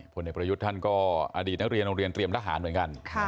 ผลเอกประยุทธ์ท่านก็อดีตนักเรียนโรงเรียนเตรียมทหารเหมือนกัน